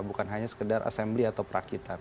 bukan hanya sekedar assembly atau perakitan